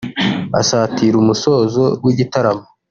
Asatira umusozo w’igitaramo